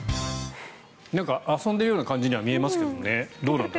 なんか遊んでいるような感じには見えますけどどうなんでしょう。